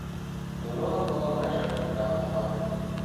Дорога була майже однакова.